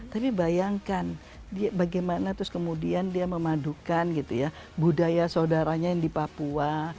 tapi bayangkan bagaimana terus kemudian dia memadukan gitu ya budaya saudaranya yang di papua